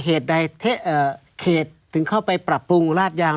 เหตุใดเขตถึงเข้าไปปรับปรุงราดยาง